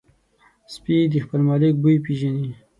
سپي د خپل مالک بوی پېژني.